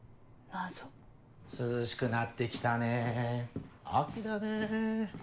涼しくなって来たね秋だね。